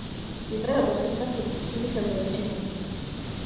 იმპერატორს ეს სახელი სიკვდილის შემდეგაც შემორჩა.